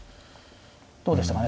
どうでしたかね